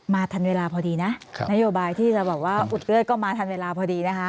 ทันเวลาพอดีนะนโยบายที่จะแบบว่าอุดเลือดก็มาทันเวลาพอดีนะคะ